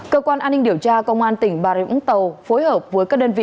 cơ quan an ninh điều tra công an tỉnh bà rịnh úng tàu phối hợp với các đơn vị